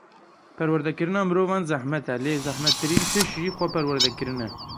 Perwerdekirina mirovan zehmet e, lê zehmettirîn tişt jî xweperwerdekirin e.